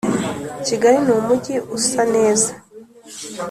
Kigali ni umujyi usaneza